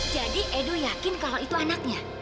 jadi edo yakin kalau itu anaknya